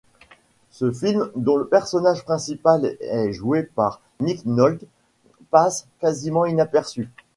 Ce film, dont le personnage principal est joué par Nick Nolte, passe quasiment inaperçue.